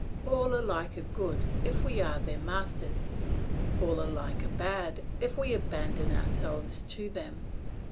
All alike are good if we are their masters; all alike are bad if we abandon ourselves to them.